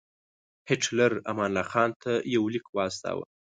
هیټلر امان الله خان ته یو لیک واستاوه.